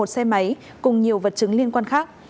một xe máy cùng nhiều vật chứng liên quan khác